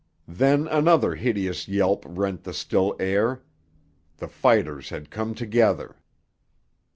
Then another hideous yelp rent the still air; the fighters had come together!